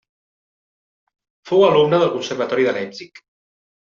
Fou alumne del Conservatori de Leipzig.